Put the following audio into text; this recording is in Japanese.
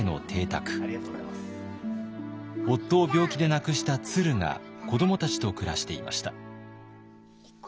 夫を病気で亡くしたツルが子どもたちと暮らしていました。